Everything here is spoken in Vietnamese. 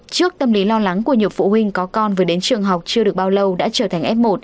trước tâm lý lo lắng của nhiều phụ huynh có con vừa đến trường học chưa được bao lâu đã trở thành f một